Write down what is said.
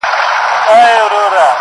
نو پيدا يې كړه پيشو توره چالاكه،